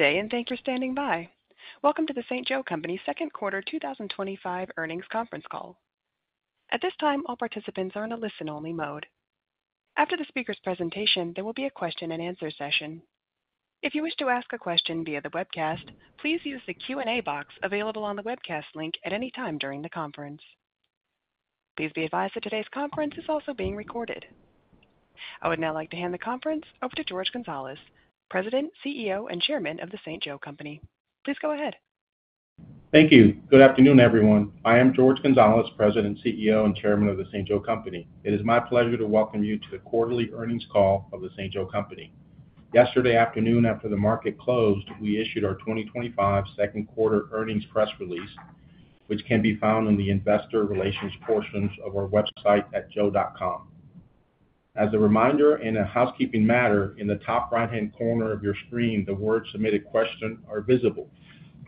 Good day and thank you for standing by. Welcome to The St. Joe Company second quarter 2025 earnings conference call. At this time, all participants are in a listen-only mode. After the speaker's presentation, there will be a Q&A session. If you wish to ask a question via the webcast, please use the Q&A box available on the webcast link at any time during the conference. Please be advised that today's conference is also being recorded. I would now like to hand the conference over to Jorge Gonzalez, President, CEO and Chairman of The St. Joe Company. Please go ahead. Thank you. Good afternoon everyone. I am Jorge Gonzalez, President, CEO and Chairman of The St. Joe Company. It is my pleasure to welcome you to the quarterly earnings call of The St. Joe Company. Yesterday afternoon after the market closed, we issued our 2025 second quarter earnings press release, which can be found in the. Investor Relations portions of our website at joe.com as. A reminder, in a housekeeping matter, in the top right-hand corner of your screen, the words Submit a Question are visible.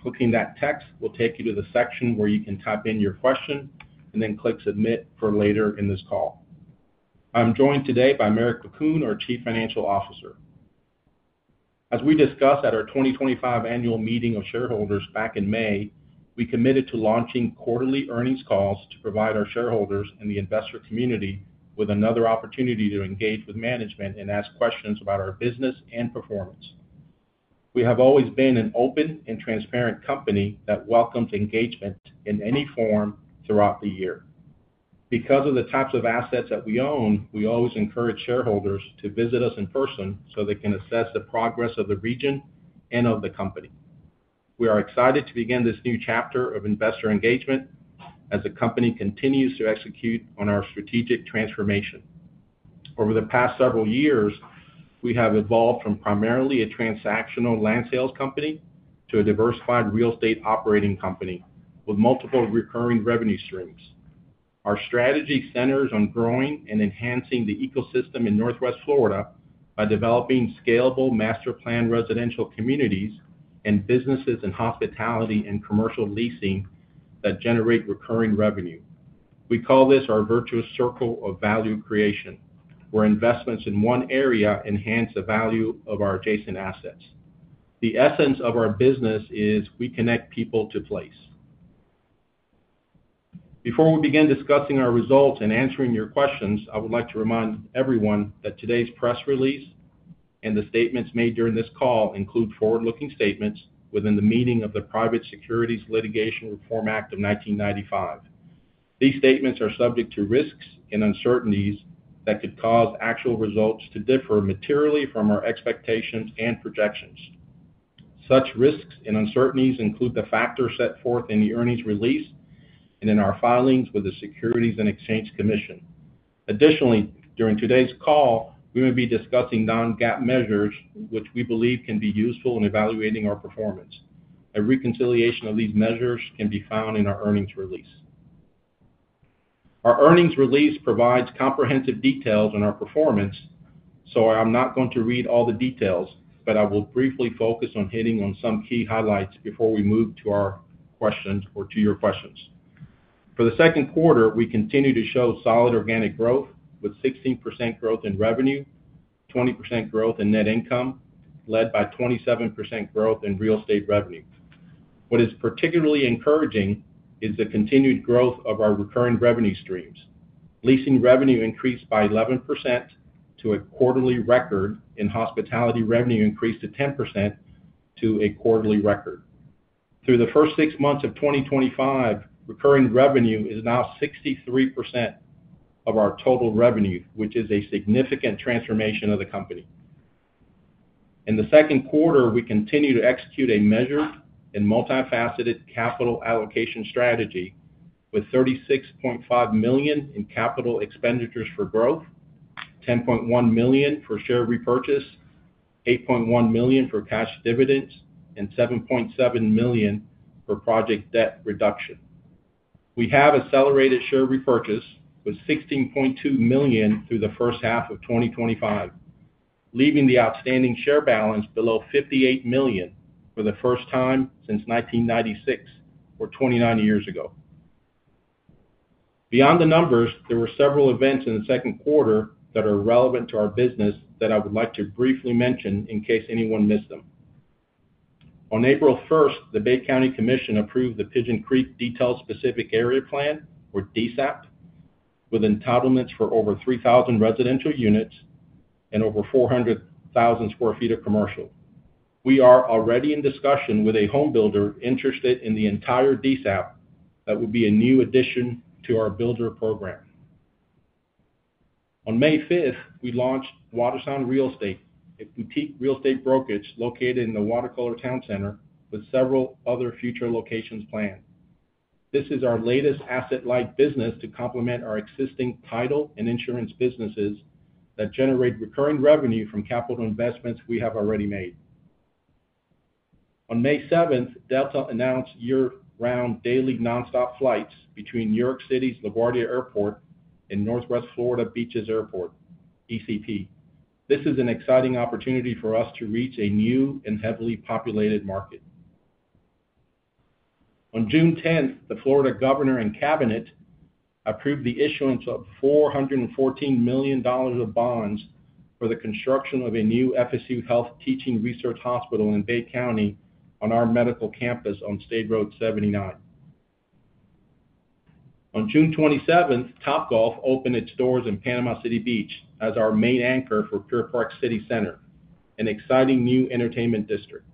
Clicking that text will take you to the section where you can type in your question and then click Submit for later in this call. I'm joined today by Marek Bakun, our Chief Financial Officer. As we discussed at our 2025 Annual Meeting of Shareholders back in May, we committed to launching quarterly earnings calls to provide our shareholders and the investor community with another opportunity to engage with management and ask questions about our business and performance. We have always been an open and transparent company that welcomes engagement in any form throughout the year. Because of the types of assets that we own, we always encourage shareholders to visit us in person so they can assess the progress of the region and of the company. We are excited to begin this new chapter of investor engagement as the company continues to execute on our strategic transformation. Over the past several years, we have evolved from primarily a transactional land sales company to a diversified real estate operating company with multiple recurring revenue streams. Our strategy centers on growing and enhancing the ecosystem in Northwest Florida by developing scalable master planned residential communities and businesses in hospitality and commercial leasing that generate recurring revenue. We call this our virtuous circle of value creation, where investments in one area enhance the value of our adjacent assets. The essence of our business is we connect people to place. Before we begin discussing our results and answering your questions, I would like to remind everyone that today's press release and the statements made during this call include forward-looking statements within the meaning of the Private Securities Litigation Reform Act of 1995. These statements are subject to risks and uncertainties that could cause actual results to differ materially from our expectations and projections. Such risks and uncertainties include the factors set forth in the earnings release and in our filings with the Securities and Exchange Commission. Additionally, during today's call, we will be discussing non-GAAP measures which we believe can be useful in evaluating our performance. A reconciliation of these measures can be found in our earnings release. Our earnings release provides comprehensive details on our performance, so I'm not going to read all the details, but I will briefly focus on hitting on some key highlights before we move to your questions. For the second quarter, we continue to show solid organic growth with 16% growth in revenue, 20% growth in net income. Led by 27% growth in real estate revenue, what is particularly encouraging is the continued growth of our recurring revenue streams. Leasing revenue increased by 11% to a quarterly record, and hospitality revenue increased 10% to a quarterly record. Through the first six months of 2025, recurring revenue is now 63% of our total revenue, which is a significant transformation of the company. In the second quarter, we continue to execute a measured and multifaceted capital allocation strategy with $36.5 million in capital expenditures for growth, $10.1 million for share repurchase, $8.1 million for cash dividends, and $7.7 million for project debt reduction. We have accelerated share repurchase with $16.2 million through the first half of 2025. Leaving the outstanding share balance below $58 million for the first time since 1996, or 29 years ago. Beyond the numbers, there were several events in the second quarter that are relevant to our business that I would like to briefly mention in case anyone missed them. On April 1st, the Bay County Commission approved the Pigeon Creek Detailed Specific Area Plan, or DSAP, with entitlements for over 3,000 residential units and over 400,000 square feet of commercial. We are already in discussion with a home builder interested in the entire DSAP, that will be a new addition to our builder program. On May 5th, we launched Watersound Real Estate, a boutique real estate brokerage located in the WaterColor Town Center with several other future locations planned. This is our latest asset light business to complement our existing title and insurance businesses that generate recurring revenue from capital investments we have already made. On May 7th, Delta announced year-round, daily nonstop flights between New York City's LaGuardia Airport and Northwest Florida Beaches Airport (ECP). This is an exciting opportunity for us to reach a new and heavily populated market. On June 10, the Florida governor and Cabinet approved the issuance of $414 million of bonds for the construction of a new FSU Health Teaching Research Hospital in Bay County on our medical campus on State Road 79. On June 27th, Topgolf opened its doors. In Panama City Beach as our main anchor for Pier Park City Center, an exciting new entertainment district.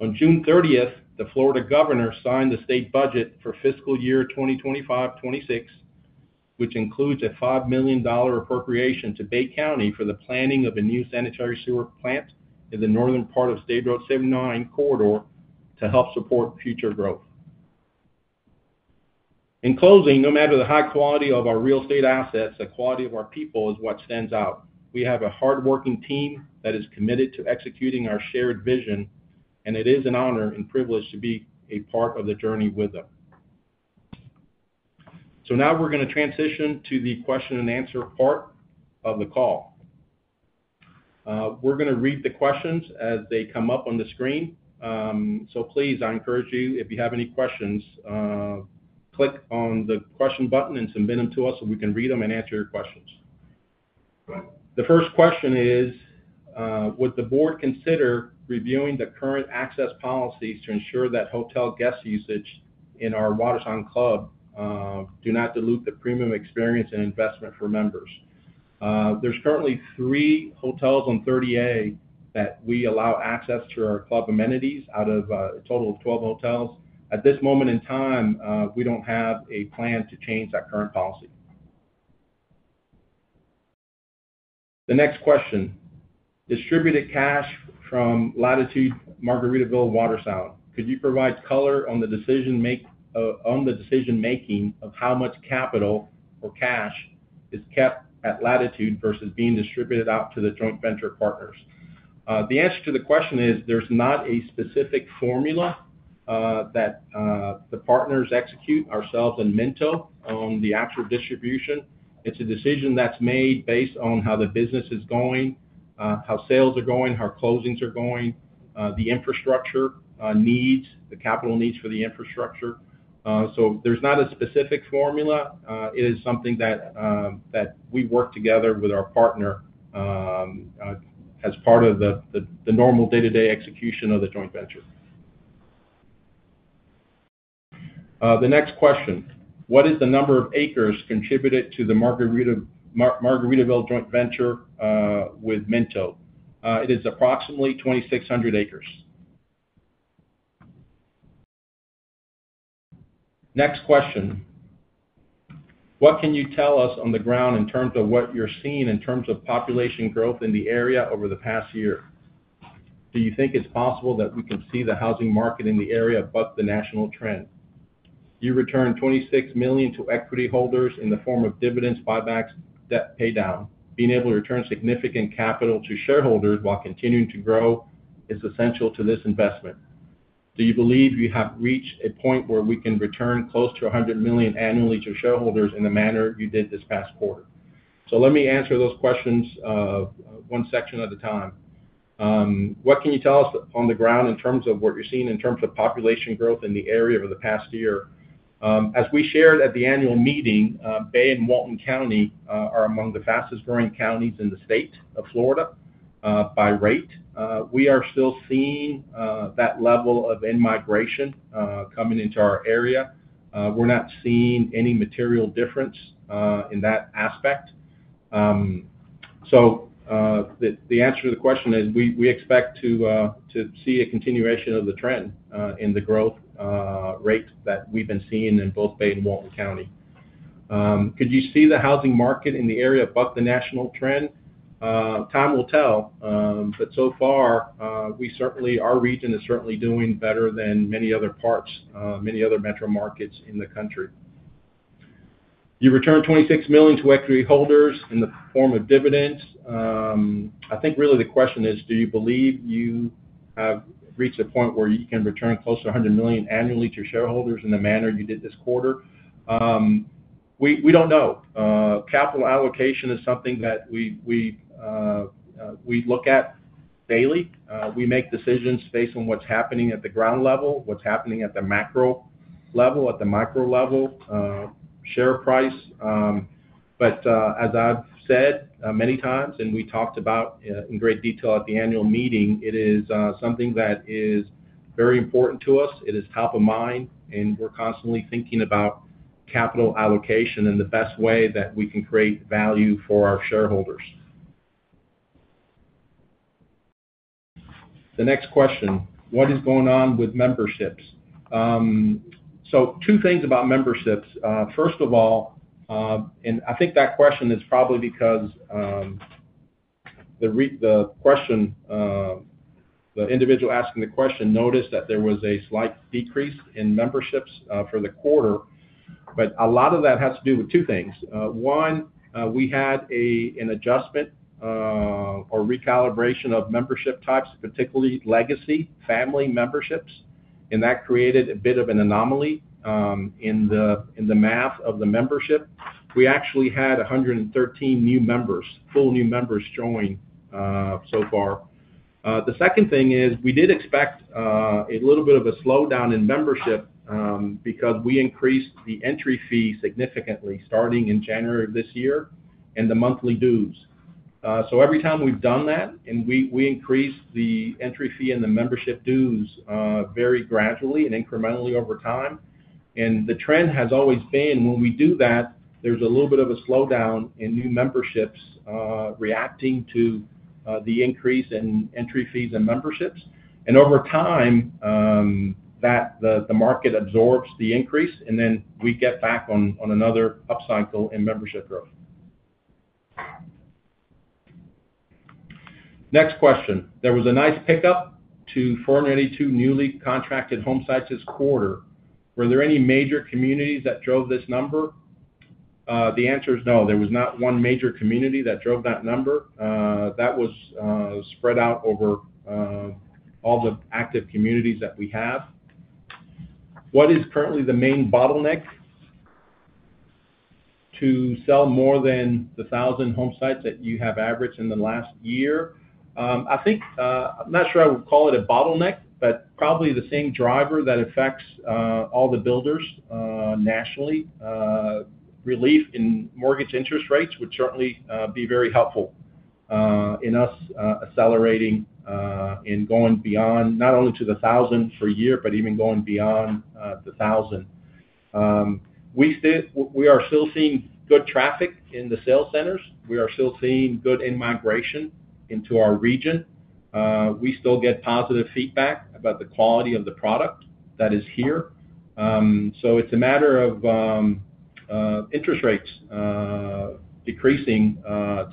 On June 30th, the Florida governor signed the state budget for fiscal year 2025-2026. Which includes a $5 million appropriation to Bay County for the planning of a new sanitary sewer plant in the northern part of State Road 79 corridor to help support future growth. In closing, no matter the high quality of our real estate assets, the quality of our people is what stands out is. We have a hardworking team that is committed to executing our shared vision. It is an honor and privilege to be a part of the journey with them. We are going to transition to the Q&A part of the call. We are going to read the questions as they come up on the screen. Please, I encourage you, if you have any questions, click on the question button and submit them to us so we can read them and answer your questions. The first question is, would the board consider reviewing the current access policies to ensure that hotel guest usage in our Watersound Club do not dilute the premium experience and investment for members? There's currently three hotels on 30A that we allow access to our club amenities out of a total of 12 hotels. At this moment in time, we don't have a plan to change that current policy. The next question, distributed cash from Latitude Margaritaville Watersound, could you provide color on the decision making of how much capital or cash is kept at Latitude versus being distributed out to the joint venture partners? The answer to the question is there's not a specific formula that the partners execute ourselves and Minto on the actual distribution. It's a decision that's made based on how the business is going, how sales are going, how closings are going, the infrastructure needs, the capital needs for the infrastructure. There is not a specific formula. It is something that we work together with our partner as part of the normal day-to-day execution of the joint venture. The next question, what is the number of acres contributed to the Margaritaville joint venture with Minto? It is approximately 2,600 acres. Next question, what can you tell us on the ground in terms of what you're seeing in terms of population growth in the area over the past year, do you think it's possible that we can see the housing market in the area buck the national trend? You return $26 million to equity holders in the form of dividends, buybacks, debt paydown. Being able to return significant capital to shareholders while continuing to grow is essential to this investment. Do you believe you have reached a point where we can return close to $100 million annually to shareholders in the manner you did this past quarter? Let me answer those questions one section at a time. What can you tell us on the ground in terms of what you're seeing in terms of population growth in the area over the past year, as we shared at the annual meeting. Bay and Walton County are among the fastest growing counties in the state of Florida by rate. We are still seeing that level of in migration coming into our area. We're not seeing any material difference in that aspect. The answer to the question is we expect to see a continuation of the trend in the growth rate that we've been seeing in both Bay and Walton County. Could you see the housing market in the area above the national trend? Time will tell, but so far we, our region is certainly doing better than many other parts, many other metro markets in the country. You returned $26 million to equity holders in the form of dividends. I think really the question is, do you believe you have reached a point where you can return close to $100 million annually to shareholders in the manner you did this quarter? We don't know. Capital allocation is something that we look at daily. We make decisions based on what's happening at the ground level, what's happening at the macro level, at the micro level, share price. As I've said many times, we talked about in great detail at the annual meeting, it is something that is very important to us. It is top of mind and we are constantly thinking about capital allocation in the best way that we can create value for our shareholders. The next question, what is going on with memberships? Two things about memberships. First of all, I think that question is probably because. The question, the individual asking the question noticed that there was a slight decrease in memberships for the quarter. A lot of that has to do with two things. One, we had an adjustment or recalibration of membership types, particularly legacy family memberships. That created a bit of an anomaly in the math of the membership. We actually had 113 new members, full new members join so far. The second thing is we did expect a little bit of a slowdown in membership because we increased the entry fee significantly starting in January of this year and the monthly dues. Every time we've done that. We increase the entry fee and the membership dues very gradually and incrementally over time. The trend has always been when we do that, there's a little bit of a slowdown in new memberships reacting to the increase in entry fees and memberships, over time the market absorbs the increase, and then we get back on another upcycle in membership growth. Next question. There was a nice pickup to 482 newly contracted home sites this quarter. Were there any major communities that drove this number? The answer is no. There was not one major community that drove that number, that was spread out over all the active communities that we have. What is currently the main bottleneck? To sell more than the 1,000 home sites that you have averaged in the last year? I think I'm not sure I would call it a bottleneck, but probably the same driver that affects all the builders nationally. Relief in mortgage interest rates would certainly be very helpful in us accelerating. Going beyond not only to the 1,000 per year, even going beyond the 1,000, we are still seeing good traffic in the sales centers. We are still seeing good in-migration into our region. We still get positive feedback about the quality of the product that is here. It's a matter of interest rates decreasing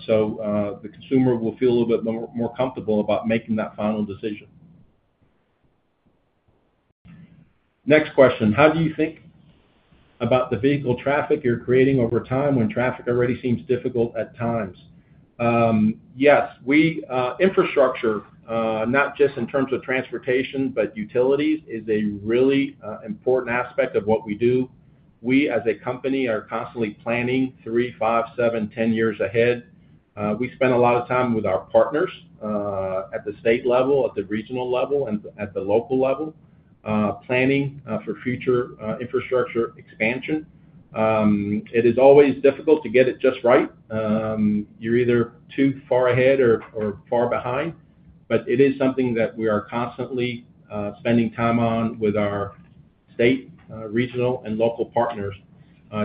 so the consumer will feel a little bit more comfortable about making that final decision. Next question. How do you think about the vehicle traffic you're creating over time when traffic already seems difficult at times? Yes, infrastructure, not just in terms of transportation but utilities, is really important aspect of what we do. We as a company are constantly planning 3, 5, 7, 10 years ahead. We spend a lot of time with our partners at the state level, at the regional level and at the local level, planning for future infrastructure expansion, it is always difficult to get it just right. You're either too far ahead or far behind, but it is something that we are constantly spending time with our state, regional, and local partners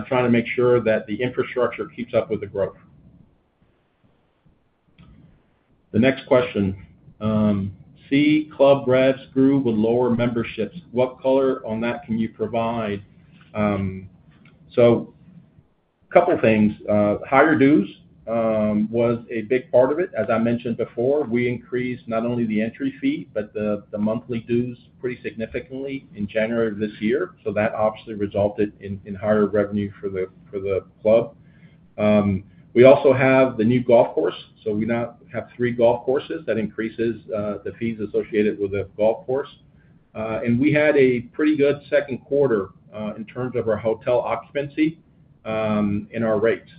trying to make sure that the infrastructure keeps up with the growth. The next question, C. Club grads grew with lower memberships. What color on that can you provide? A couple things. Higher dues was a big part of it. As I mentioned before, we increased, not only the entry fee, but the monthly dues pretty significantly in January of this year. That obviously resulted in higher revenue for the club. We also have the new golf course, so we now have three golf courses. That increases the fees associated with the golf course. We had a pretty good second quarter in terms of our hotel occupancy and our rates.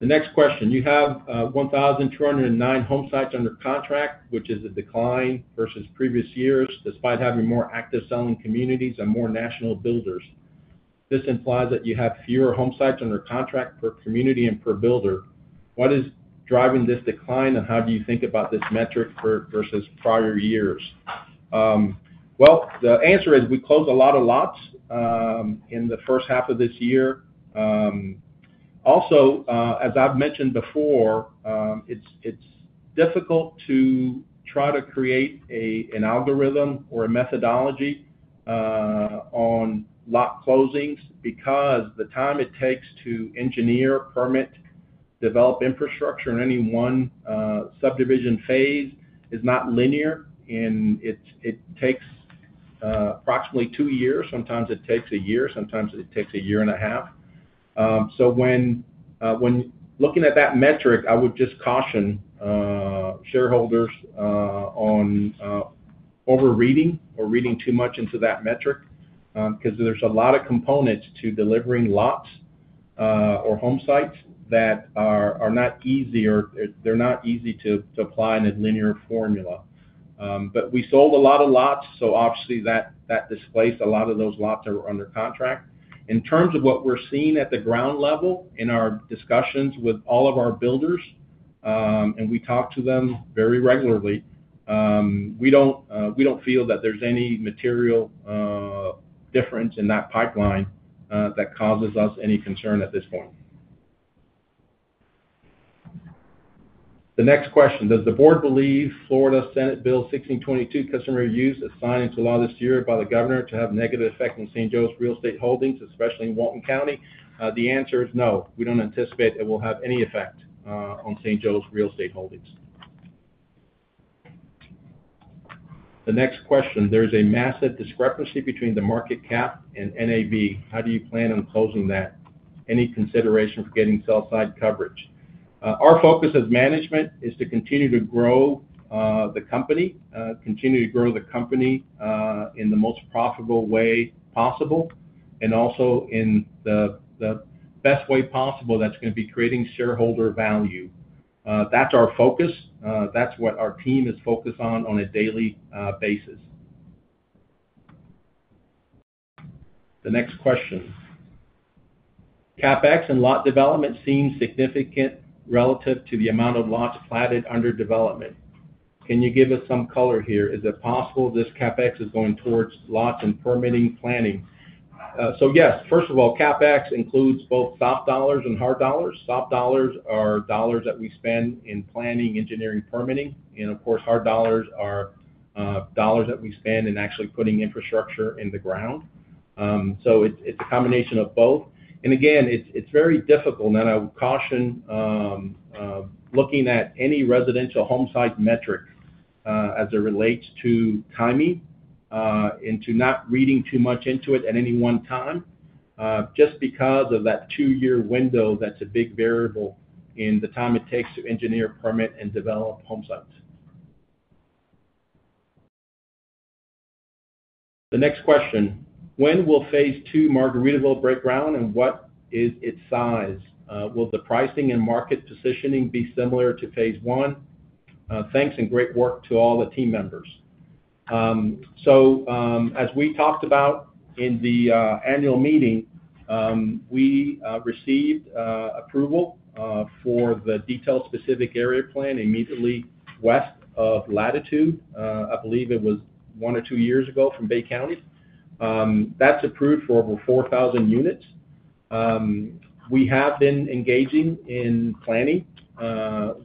The next question. You have 1,209 home sites under contract, which is a decline versus previous years despite having more active selling communities and more national builders, this implies that you have fewer home sites under contract per community and per builder. What is driving this decline and how do you think about this metric versus prior years? The answer is we close a lot of lots in the first half of this year. Also, as I've mentioned before, it's difficult to try to create an algorithm or a methodology on lot closings because the time it takes to engineer, permit, develop infrastructure in any one subdivision phase is not linear, and it takes approximately two years. Sometimes it takes a year, sometimes it takes a year and a half. When looking at that metric, I would just caution shareholders on overreading or reading too much into that metric because there's a lot of components to delivering lots of our home sites that are. They're not easy to apply in a linear formula. We sold a lot of lots, so obviously that displaced a lot of those lots that were under contract, in terms of what we're seeing at the ground level in our discussions with all of our builders, and we talk to them very regularly, we don't feel that there's any material difference in that pipeline that causes us any concern at this point. The next question, does the board believe Florida Senate Bill 1622, customer review signed into law this year by the governor to have negative effect in St. Joe's real estate holdings, especially in Walton County? The answer is no. We don't anticipate it will have any effect on St. Joe's real estate holdings. The next question, there's a massive discrepancy between the market cap and NAV. How do you plan on closing that? Any consideration for getting sell side coverage? Our focus as management is to continue to grow the company, continue to grow the company in the most profitable way possible, and also in the best way possible. That's going to be creating shareholder value. That's our focus. That's what our team is focused on. On a daily basis, the next question, CapEx and lot development seem significant relative to the amount of lots platted under development. Can you give us some color here? Is it possible this CapEx is going towards lots and permitting planning? Yes, first of all, CapEx includes both soft dollars and hard dollars. Soft dollars are dollars that we spend in planning, engineering, permitting, and of course hard dollars are dollars that we spend in actually putting infrastructure in the ground. It's a combination of both, and again, it's very difficult. I would caution looking at any residential home site metric as it relates to timing into not reading too much into it at any one time just because of that two-year window that's a big variable in the time it takes to engineer, permit, and develop home sites. The next question, when will Phase 2 Margaritaville, break ground and what is its size? Will the pricing and market positioning be similar to Phase 1? Thanks and great work to all the team members. As we talked about in the annual meeting, we received approval for the Detailed Specific Area Plan immediately west of Latitude. I believe it was one or two years ago from Bay County that's approved for over 4,000 units. We have been engaging in planning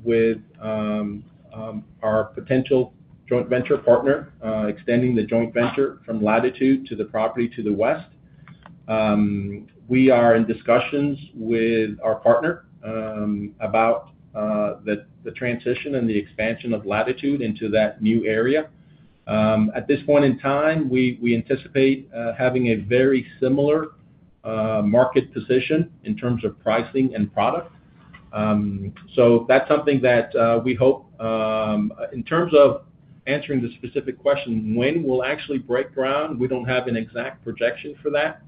with our potential joint venture partner, extending the joint venture from Latitude to the property to the west. We are in discussions with our partner about the transition and the expansion of Latitude into that new area. At this point in time, we anticipate having a very similar market position in terms of pricing and product. That's something that we hope in terms of answering the specific question when we'll actually break ground, we don't have an exact projection for that.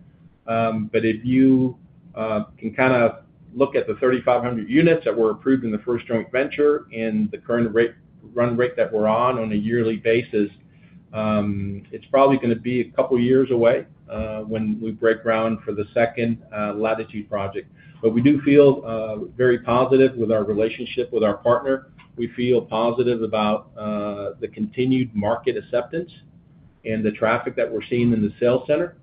If you can kind of look at the 3,500 units that were approved in the first joint venture and the current run rate that we're on on a yearly basis, it's probably going to be a couple years away when we break ground for the second Latitude project, we do feel very positive with our relationship with our partner. We feel positive about the continued market acceptance, the traffic that we're seeing in the sales center.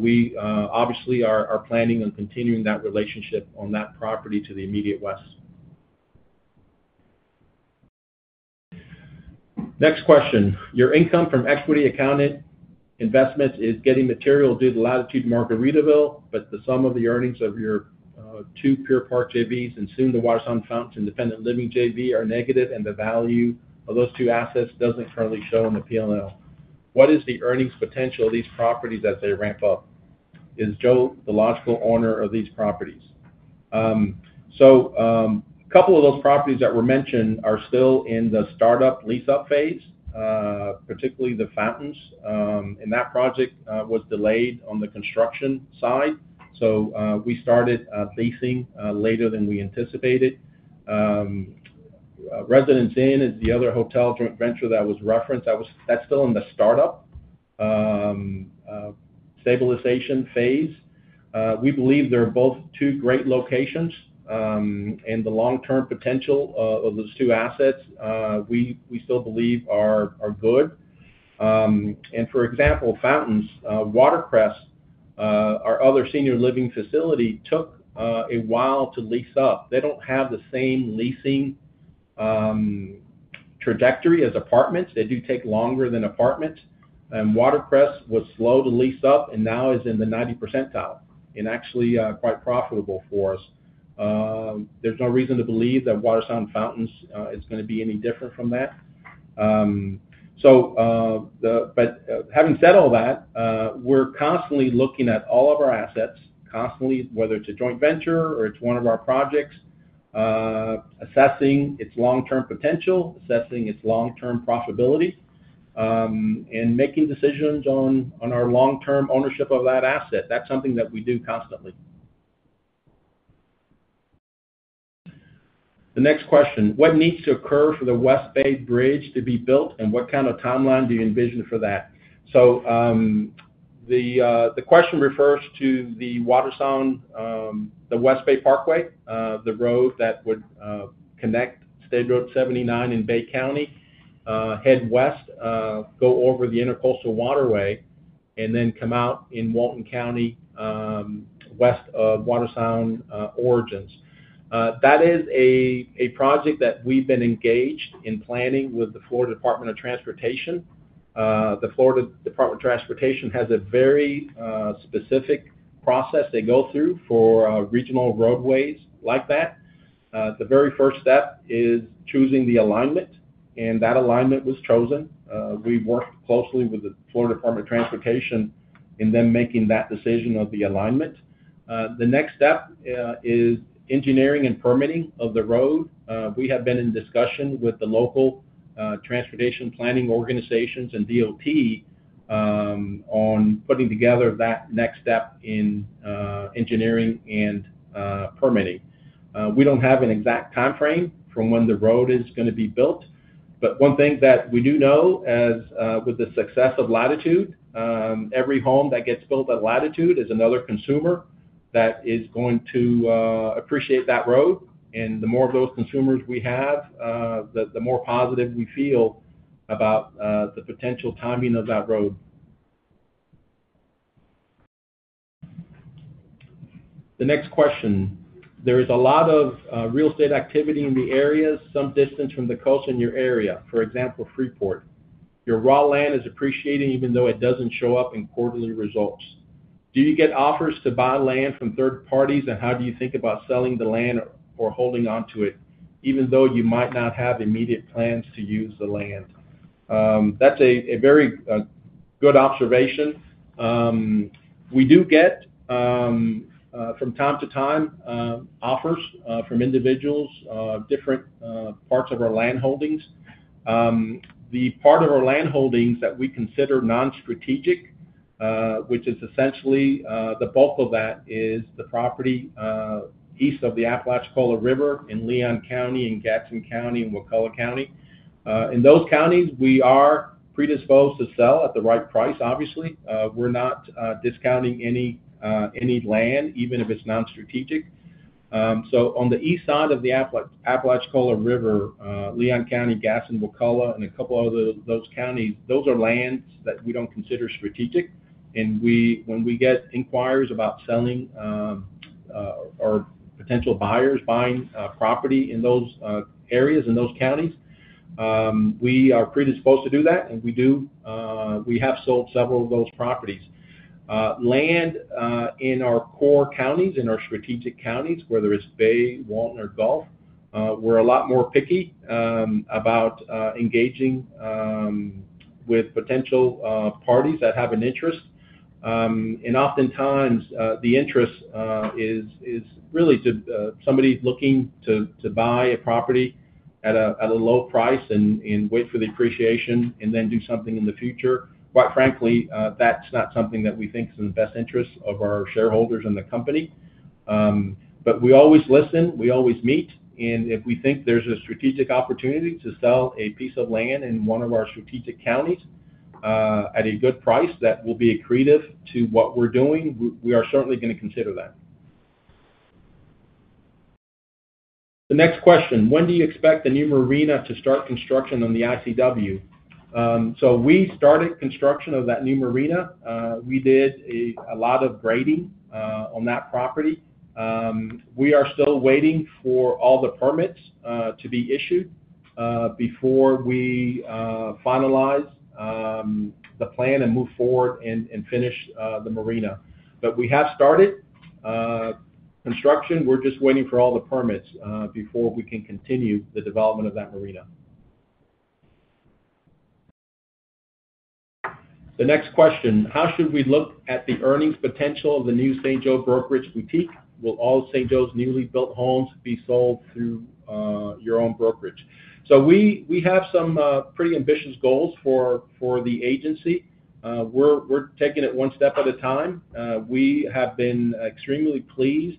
We obviously are planning on continuing that relationship on that property to the immediate west. Next question. Your income from equity accounted investments is getting material due to Latitude Margaritaville but the sum of the earnings of your two Pier Park JVs and soon the Watersound Fountains Independent Living JV are negative, and the value of those two assets doesn't currently show in the P&L. What is the earnings potential of these properties as they ramp up? Is Joe the logical owner of these properties? A couple of those properties that were mentioned are still in the startup lease up phase, particularly the Fountains. That project was delayed on the construction side, so we started leasing later than we anticipated. Residence Inn is the other hotel joint venture that was referenced that's still in the startup stabilization phase. We believe they're both two great locations, and the long-term potential of those two assets we still believe are good. For example, Fountains, Watercrest, our other senior living facility, took a while to lease up. They don't have the same leasing trajectory as apartments. They do take longer than apartments. Watercrest was slow to lease up and now is in the 90 percentile and actually quite profitable for us. There's no reason to believe that Watersound Fountains is going to be any different from that. Having said all that, we're constantly looking at all of our assets constantly, whether it's a joint venture or it's one of our projects, assessing its long term potential, assessing its long-term profitability. and making decisions on our long term ownership of that asset. That's something that we do constantly. The next question, what needs to occur for the West Bay Bridge to be built, what kind of timeline do you envision for that? The question refers to the Watersound, the West Bay Parkway, the road that would connect State Road 79 in Bay County, head west, go over the Intercoastal Waterway, and then come out in Walton County west of Watersound Origins. That is a project that we've been engaged in planning with the Florida Department of Transportation. The Florida Department of Transportation has a very specific process they go through for regional roadways like that. The very first step is choosing the alignment, and that alignment was chosen. We worked closely with the Florida Department of Transportation in them making that decision of the alignment. The next step is engineering and permitting of the road. We have been in discussion with the local transportation planning organizations and DOT on putting together that next step in engineering and permitting. We don't have an exact time frame for when the road is going to be built. One thing that we do know, as with the success of Latitude, every home that gets built at Latitude is another consumer that is going to appreciate that road, and the more of those consumers we have, the more positive we feel about the potential timing of that road. The next question, there is a lot of real estate activity in the areas some distance from the coast in your area, for example, Freeport, your raw land is appreciating even though it doesn't show up in quarterly results. Do you get offers to buy land from third parties, and how do you think about selling the land or holding onto it even though you might not have immediate plans to use the land? That's a very good observation. We do get, from time to time, offers from individuals for different parts of our land holdings. The part of our land holdings that we consider non-strategic, which is essentially the bulk of that, is the property east of the Apalachicola River in Leon County, in Gadsden County and Wakulla County. In those counties, we are predisposed to sell at the right price. Obviously, we're not discounting any land, even if it's non-strategic, on the east side of the Apalachicola River, Leon County, Gadsden, Wakulla and a couple of those counties, those are lands that we don't consider strategic. When we get inquiries about selling or potential buyers buying property in those areas, in those counties, we are predisposed to do that. We have sold several of those properties. Land in our core counties, in our strategic counties, whether it's Bay, Walton or Gulf. We're a lot more picky about engaging with potential parties that have an interest. Oftentimes the interest is really somebody looking to buy a property at a low price and wait for the appreciation and then do something in the future. Quite frankly, that's not something that we think is in the best interest of our shareholders and the company. We always listen, we always meet. If we think there's a strategic opportunity to sell a piece of land in one of our strategic counties at a good price that will be accretive to what we're doing, we are certainly going to consider that. The next question, when do you expect the new marina to start construction on the ICW? We started construction of that new marina. We did a lot of grading on that property. We are still waiting for all the permits to be issued before we finalize the plan and move forward and finish the marina. We have started construction. We're just waiting for all the permits before we can continue the development of that marina. The next question, how should we look at the earnings potential of the new St. Joe brokerage boutique? Will all St. Joe's newly built homes be sold through your own brokerage? We have some pretty ambitious goals for the agency. We're taking it one step at a time. We have been extremely pleased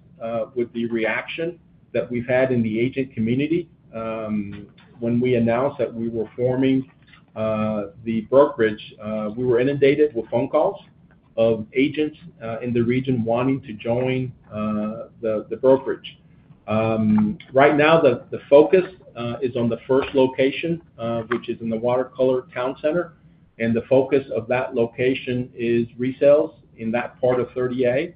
with the reaction that we've had in the agent community when we announced that we were forming the brokerage, we were inundated with phone calls of agents in the region wanting to join the brokerage. Right now the focus is on the first location, which is in the WaterColor Town Center. The focus of that location is resales in that part of 30A.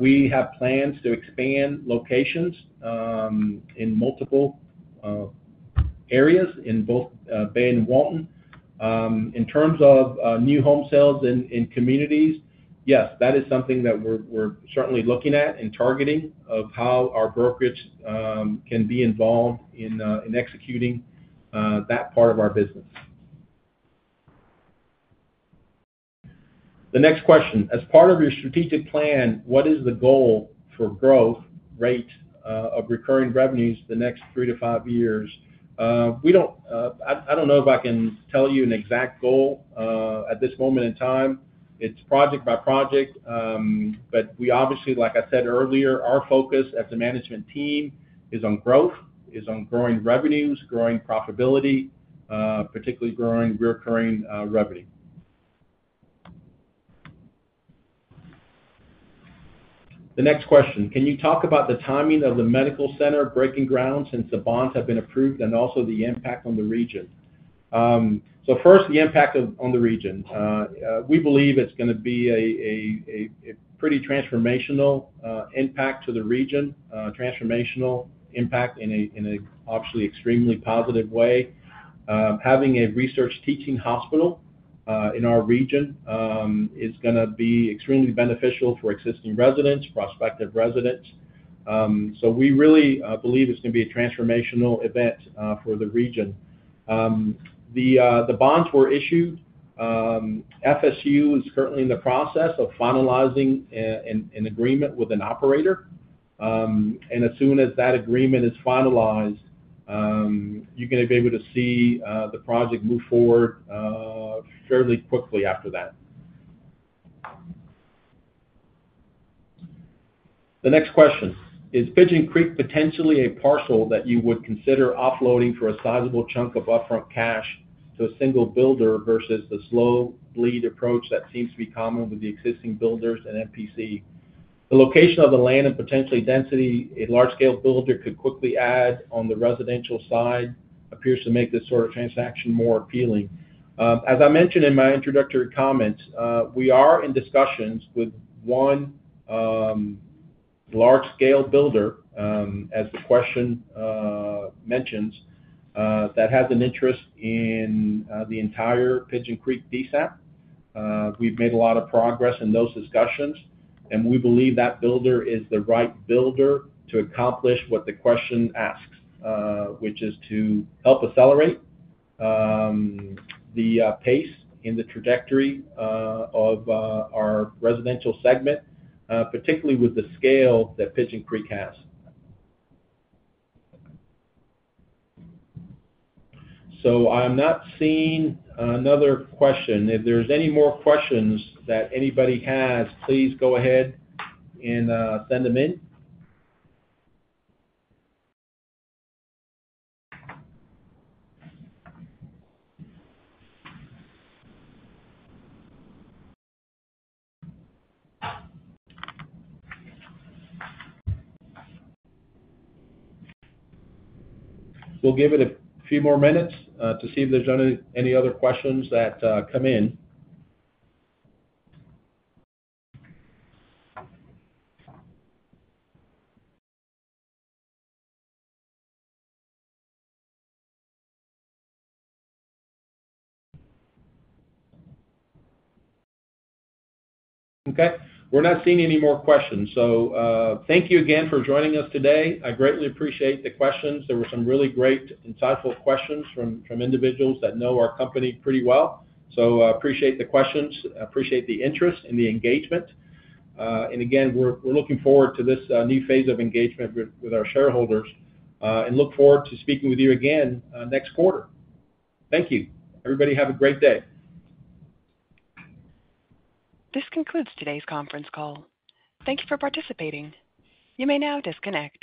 We have plans to expand locations in multiple areas in both Bay and Walton. In terms of new home sales in communities, yes, that is something that we're certainly looking at and targeting of how our brokerage can be involved in executing that part of our business. The next question, as part of your strategic plan, what is the goal for growth rate of recurring revenues the next three to five years? We don't. I don't know if I can tell you an exact goal at this moment in time. It's project by project. Obviously, like I said earlier, our focus as a management team is on growth, on growing revenues, growing profitability, particularly growing recurring revenue. The next question, can you talk about the timing of the medical center breaking ground since the bonds have been approved, and also the impact on the region. First, the impact on the region. We believe it's going to be a pretty transformational impact to the region. Transformational impact in an obviously extremely positive way. Having a research teaching hospital in our region is going to be extremely beneficial for existing residents, prospective residents. We really believe it's going to be a transformational event for the region. The bonds were issued. FSU is currently in the process of finalizing an agreement with an operator, and as soon as that agreement is finalized, you're going to be able to see the project move forward fairly quickly after that. The next question, is Pigeon Creek potentially a parcel that you would consider offloading for a sizable chunk of upfront cash to a single builder versus the slow lead approach that seems to be common with the existing builders and MPC? The location of the land and potentially density a large-scale builder could quickly add on the residential side appears to make this sort of transaction more appealing, as I mentioned in my introductory comments. We are in discussions with one large scale builder, as the question mentions, that has an interest in the entire Pigeon Creek DSAP. We've made a lot of progress in those discussions, and we believe that builder is the right builder to accomplish what the question asks, which is to help accelerate the pace and the trajectory of our residential segment, particularly with the scale that Pigeon Creek has. I'm not seeing another question. If there's any more questions that anybody has, please go ahead and send them in. We'll give it a few more minutes to see if there's any other questions that come in. Okay. We're not seeing any more questions. Thank you again for joining us today. I greatly appreciate the questions. There were some really great, insightful questions from individuals that know our company pretty well. I appreciate the questions, appreciate the interest and the engagement, and again, we're looking forward to this new phase of engagement with our shareholders and look forward to speaking with you again next quarter. Thank you. Everybody have a great day. This concludes today's conference call. Thank you for participating. You may now disconnect.